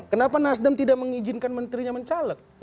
kenapa nasdem tidak mengizinkan menterinya mencaleg